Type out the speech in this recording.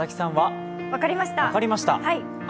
分かりました。